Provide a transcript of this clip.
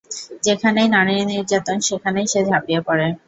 যেখানেই নারী নির্যাতন সেখানেই সে ঝাপিয়ে পড়ে।